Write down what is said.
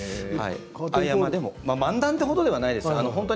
でも漫談ってほどじゃないです。